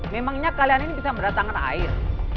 memangnya kalian ini bisa berdatangan air